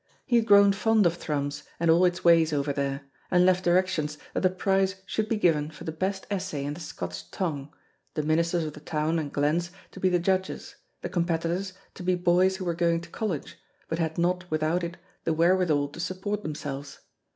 He had grown fond of Thrums and all its ways over there, and left directions that the prize should be given for the best essay in the Scots tongue, the ministers of the town and glens to be the judges, the competitors to be boys who were going to college, but had not without it the wherewithal to support themselves.